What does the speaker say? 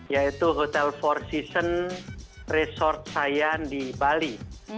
yaitu hotel four seasons resort sayan di bali